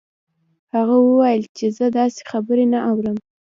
هغه وویل چې زه داسې خبرې نه اورم